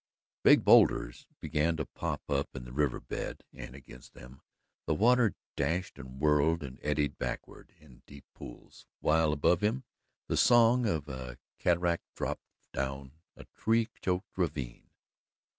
Big bowlders began to pop up in the river bed and against them the water dashed and whirled and eddied backward in deep pools, while above him the song of a cataract dropped down a tree choked ravine.